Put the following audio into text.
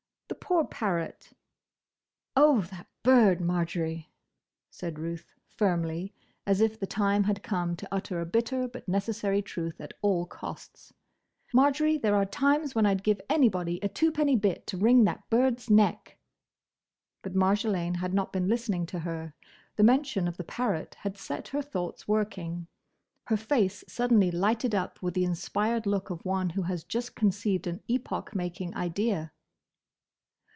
"The poor parrot." "Oh, that bird!—Marjory!" said Ruth, firmly, as if the time had come to utter a bitter but necessary truth at all costs, "Marjory, there are times when I 'd give anybody a two penny bit to wring that bird's neck!" But Marjolaine had not been listening to her. The mention of the parrot had set her thoughts working; her face suddenly lighted up with the inspired look of one who has just conceived an epoch making idea.